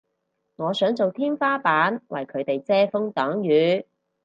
我想做天花板為佢哋遮風擋雨